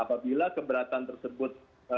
apabila keberatan tersebut